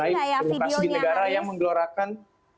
pasal di negara yang menggelorkan